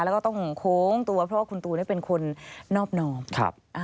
แล้วก็ต้องโค้งตัวเพราะว่าคุณตูนเป็นคนนอบนอมครับ